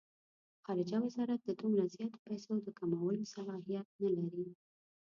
خارجه وزارت د دومره زیاتو پیسو د کمولو صلاحیت نه لري.